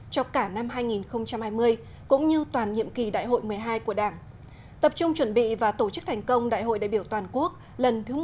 cho cả năm hai nghìn hai mươi cũng như toàn nhiệm kỳ đại hội một mươi hai của đảng tập trung chuẩn bị và tổ chức thành công đại hội đại biểu toàn quốc lần thứ một mươi ba